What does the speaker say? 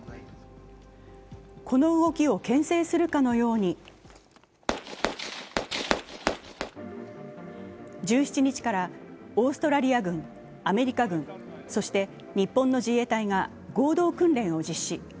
この動きをけん制するかのように１７日からオーストラリア軍、アメリカ軍、そして日本の自衛隊が合同訓練を実施。